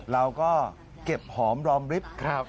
แล้วก็เก็บหอมดอมลินะคะครับ